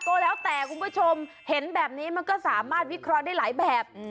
ก็แล้วแต่คุณผู้ชมเห็นแบบนี้มันก็สามารถวิเคราะห์ได้หลายแบบ